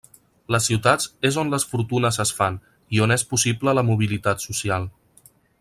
Les ciutats és on les fortunes es fan i on és possible la mobilitat social.